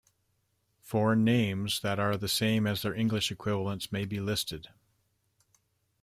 Foreign names that are the same as their English equivalents may be listed.